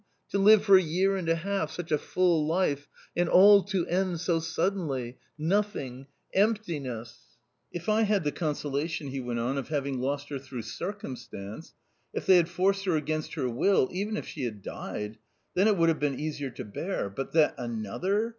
To live for a year and a half such a full life and all to end so suddenly — nothing — emptiness ! If I had the consolation," he went on, "of having lost her through circumstance — if they had forced her against her will — even if she had died — then it would have been easier to bear — but that another